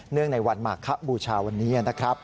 เนื่องในวันมาคบูชาวันนี้